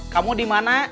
kamu di mana